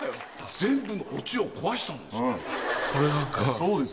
全部のオチを壊したんです。